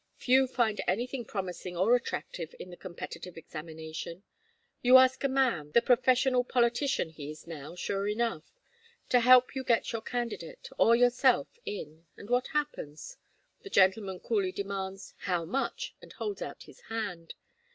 Few find anything promising or attractive in the competitive examination. You ask a man the professional politician he is now, sure enough to help you get your candidate, or yourself, in, and what happens? The gentleman coolly demands, 'How much?' and holds out his hand.